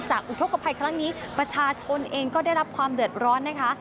อุทธกภัยครั้งนี้ประชาชนเองก็ได้รับความเดือดร้อนนะคะ